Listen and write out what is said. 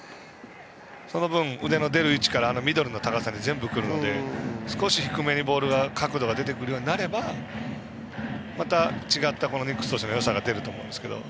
その分、腕の出る位置から緑の高さに全部来るのでボールの角度が出てくるようになればまた違ったニックス投手のよさが出ると思うんですけど。